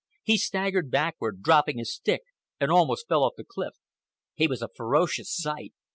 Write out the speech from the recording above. He staggered backward, dropping his stick, and almost fell off the cliff. He was a ferocious sight.